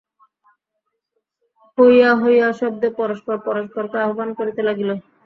হৈয়া হৈয়া শব্দে পরস্পর পরস্পরকে আহ্বান করিতে লাগিল।